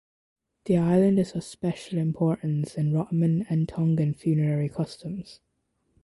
The island is of special importance in Rotuman and Tongan funerary customs.